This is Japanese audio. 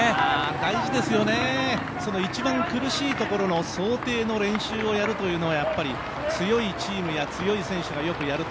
大事ですよね、その一番苦しいところの想定の練習をやるというのを強いチームや強い選手がよくやると。